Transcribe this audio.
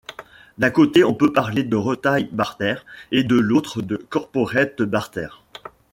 D'un côté on peut parler de Retail Barter et de l'autre de Corporate Barter.